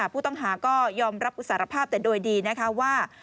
ผู้ต้องหาก็ยอมรับอุสารภาพแต่โดยดีนะคะว่า